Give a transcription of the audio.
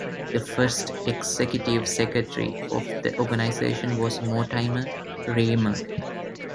The first Executive Secretary of the organization was Mortimer Riemer.